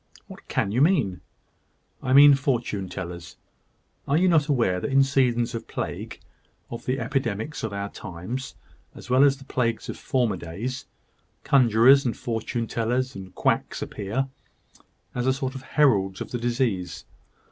"What can you mean?" "I mean fortune tellers. Are you not aware that in seasons of plague of the epidemics of our times, as well as the plagues of former days conjurors, and fortune tellers, and quacks appear, as a sort of heralds of the disease?